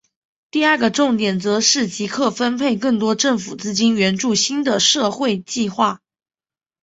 第二个重点则是即刻分配更多政府资金援助新的社会计画。